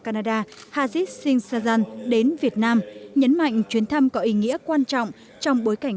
canada hazid singh sajjan đến việt nam nhấn mạnh chuyến thăm có ý nghĩa quan trọng trong bối cảnh